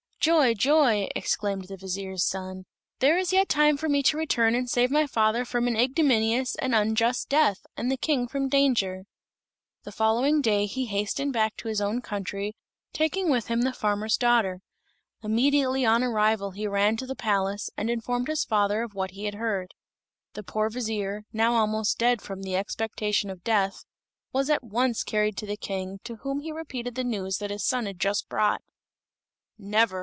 "Joy, joy!" exclaimed the vizier's son. "There is yet time for me to return and save my father from an ignominious and unjust death, and the King from danger." The following day he hastened back to his own country, taking with him the farmer's daughter. Immediately on arrival he ran to the palace and informed his father of what he had heard. The poor vizier, now almost dead from the expectation of death, was at once carried to the King, to whom he repeated the news that his son had just brought. "Never!"